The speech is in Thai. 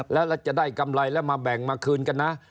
แล้วจะได้กำไรแล้วมาแบ่งมาคืนกันนะ